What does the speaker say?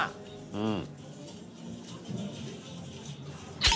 うん。